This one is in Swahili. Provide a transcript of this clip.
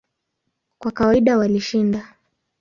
Kwa kawaida walishinda.